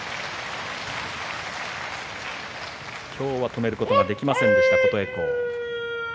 今日は止めることができませんでした琴恵光。